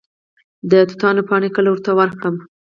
د توتانو پاڼې کله ورته ورکړم؟